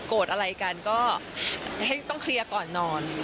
อะไรกันก็ต้องเคลียร์ก่อนนอน